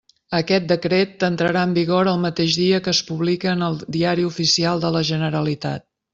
Aquest decret entrarà en vigor el mateix dia que es publique en el Diari Oficial de la Generalitat.